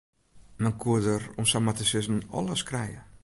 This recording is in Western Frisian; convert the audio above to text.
Men koe der om samar te sizzen alles krije.